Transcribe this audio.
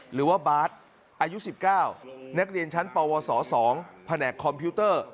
หรือว่าบาร์ดอายุ๑๙นักเรียนชั้นปวส๒แผนกคอมพิวเตอร์